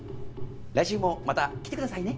来週もまた来てくださいね。